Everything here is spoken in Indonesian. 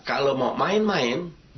kalau mau main main